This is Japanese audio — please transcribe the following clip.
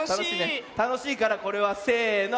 たのしいからこれはせの。